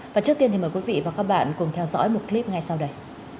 và trước tiên thì mời quý vị và các bạn cùng theo dõi một clip ngay sau đây